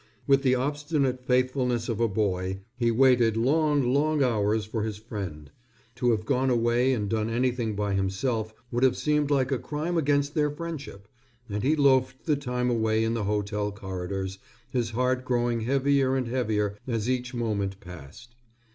With the obstinate faithfulness of a boy he waited long, long hours for his friend. To have gone away or done anything by himself would have seemed like a crime against their friendship, and he loafed the time away in the hotel corridors, his heart growing heavier and heavier as each moment passed.